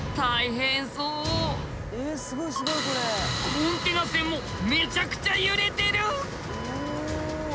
コンテナ船もめちゃくちゃ揺れてる。